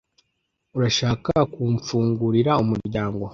Urashaka kumfungurira umuryango?